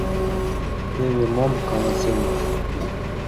Теве мом каласем!